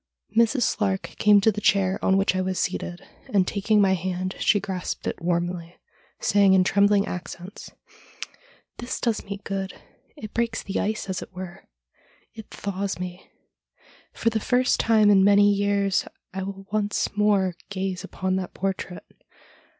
Mrs. Slark came to the chair on which I was seated, and taking my hand she grasped it warmly, saying in trembling accents :' This does me good. It breaks the ice, as it were. It thaws me. For the first time for many years I will once more gaze upon that portrait.